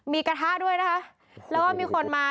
มีกระทะด้วยนะคะแล้วก็มีคนมา